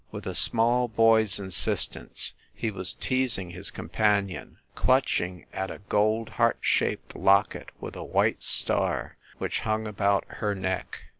With a small boy s insistence he was teasing his companion, clutching at a gold heart shaped locket with a white star, which hung about her neck.